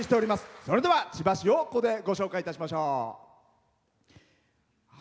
それでは、千葉市をここでご紹介しましょう。